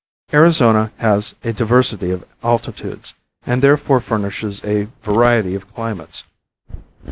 Arizona has a diversity of altitudes, and therefore furnishes a variety of climates.